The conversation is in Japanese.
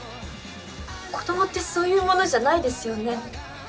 子どもってそういうものじゃないですよね？